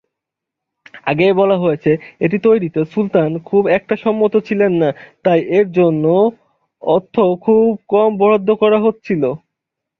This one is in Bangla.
আগেই বলা হয়েছে এটি তৈরীতে সুলতান খুব একটা সম্মত ছিলেন না তাই এর জন্য অর্থও খুব কম বরাদ্দ করা হচ্ছিল।